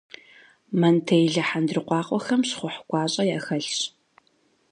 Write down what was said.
Монтеллэ хьэндыркъуакъуэхэм щхъухь гуащӏэ яхэлъщ.